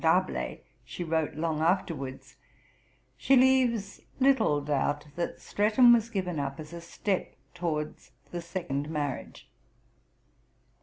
D'Arblay, she wrote long afterwards, she leaves little doubt that Streatham was given up as a step towards the second marriage.